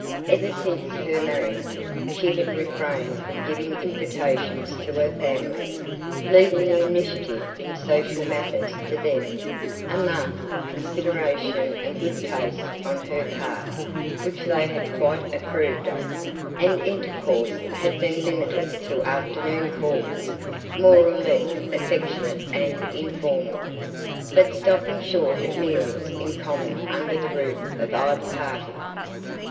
Ever since her marriage, she had refrained from giving invitations to her family, leaving the initiative in social matters to them a mark of consideration and good taste on her part which they had quite approved of; and intercourse had been limited to afternoon calls, more or less affectionate and informal, but stopping short at meals in common under the roof of either party.